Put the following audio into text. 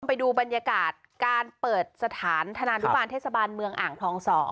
ไปดูบรรยากาศการเปิดสถานธนานุบาลเทศบาลเมืองอ่างทอง๒